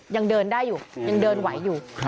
ยังเดินได้อยู่ยังเดินไหวอยู่